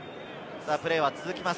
プレーは続きます。